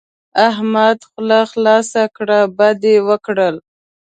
احمد خوله خلاصه کړه؛ بد يې وکړل.